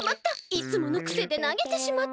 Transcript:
いつものくせでなげてしまった！